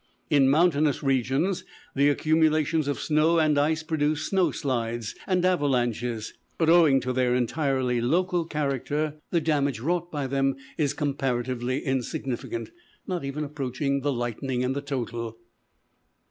In mountainous regions the accumulations of snow and ice produce snow slides and avalanches; but owing to their entirely local character, the damage wrought by them is comparatively insignificant, not even approaching the lightning in the total.